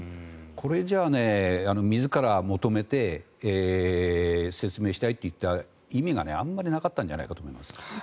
これじゃあ、自ら求めて説明したいといった意味があまりなかったんじゃないかと思います。